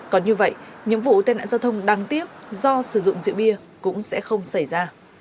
còn như vậy nhiệm vụ tên ảnh giao thông đáng tiếc do sử dụng rượu bia cũng sẽ không xảy ra